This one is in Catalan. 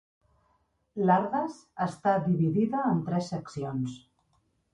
L'Ardas està dividida en tres seccions.